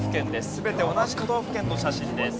全て同じ都道府県の写真です。